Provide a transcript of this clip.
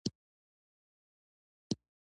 په یو زر درې سوه نهه پنځوس کال د زمري شپږمه وه.